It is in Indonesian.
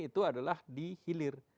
itu adalah di hilir